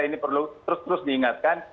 ini perlu terus terus diingatkan